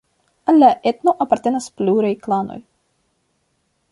Al la etno apartenas pluraj klanoj.